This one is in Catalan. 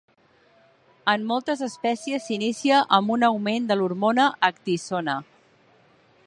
En moltes espècies s'inicia amb un augment de l'hormona ecdisona.